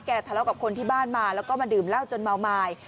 ทะเลาะกับคนที่บ้านมาแล้วก็มาดื่มเหล้าจนเมาไม้